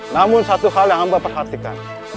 namun satu hal yang hamba perhatikan